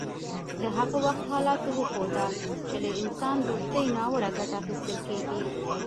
د هغه وخت حالاتو وښوده چې له انسان دوستۍ ناوړه ګټه اخیستل کیږي